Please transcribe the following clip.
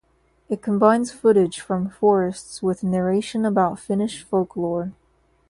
It combines footage from forests with narration about Finnish folklore.